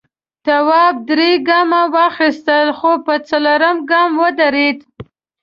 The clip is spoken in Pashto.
تواب درې گامه واخیستل خو په څلورم گام ودرېد.